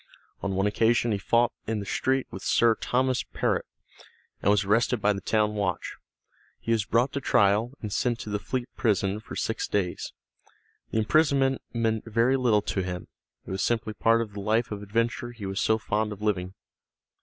On one occasion he fought in the street with Sir Thomas Perrot, and was arrested by the town watch. He was brought to trial, and sent to the Fleet prison for six days. The imprisonment meant very little to him, it was simply part of the life of adventure he was so fond of living.